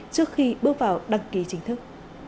trước khi bước vào đăng ký chính thức